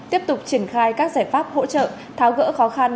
tiếp tục triển khai các giải pháp hỗ trợ tháo gỡ khó khăn